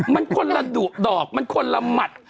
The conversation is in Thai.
มันคนละดุดอกมันคนละหมัด